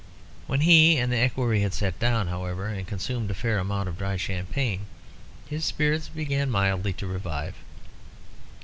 When he and the equerry had sat down, however, and consumed a fair amount of dry champagne, his spirits began mildly to revive.